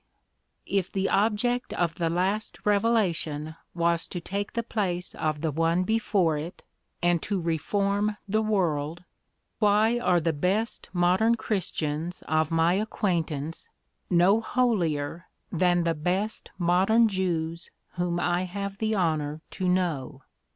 If the object of the last revelation was to take the place of the one before it, and to reform the world, why are the best modern Christians of my acquaintance no holier than the best modern Jews whom I have the honour to know?"